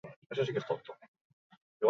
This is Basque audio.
Baina beste batzuk ere sortu ziren.